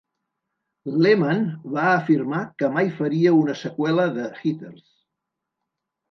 Lehmann va afirmar que mai faria una seqüela de "Heathers".